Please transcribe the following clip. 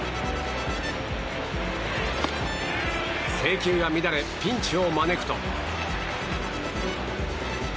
制球が乱れピンチを招くと。